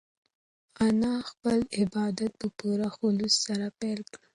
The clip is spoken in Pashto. انا خپل عبادت په پوره خلوص سره پیل کړ.